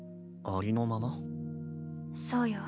そうよ。